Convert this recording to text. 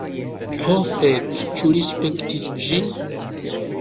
Ho fek, ĉu li spektis ĝin?